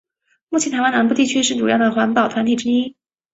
目前是台湾南部地区主要的环保团体之一。